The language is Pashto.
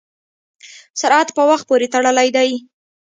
سرعت په وخت پورې تړلی دی.